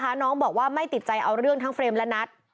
น้องบอกว่าไม่ติดใจเอาเรื่องทั้งเฟรมและนัท